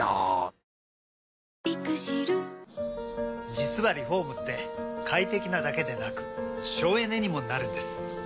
実はリフォームって快適なだけでなく省エネにもなるんです。